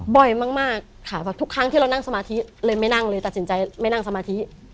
บ่อยมากค่ะแบบทุกครั้งที่เรานั่งสมาธิเลยไม่นั่งเลยตัดสินใจไม่นั่งสมาธิ